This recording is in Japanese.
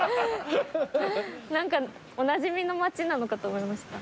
何かおなじみの町なのかと思いました。